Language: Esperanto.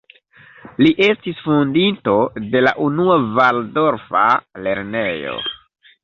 Li estis fondinto de la unua valdorfa lernejo.